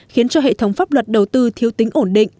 khiến cho hệ thống pháp luật đầu tư thiếu tính ổn định